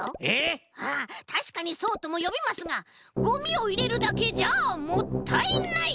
たしかにそうともよびますがゴミをいれるだけじゃもったいない！